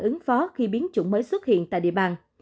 ứng phó khi biến chủng mới xuất hiện tại địa bàn